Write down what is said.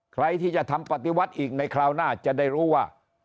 ใครที่จะทำปฏิวัติอีกในคราวหน้าจะได้รู้ว่า